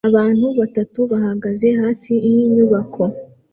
Abantu batatu bahagaze hafi yinyubako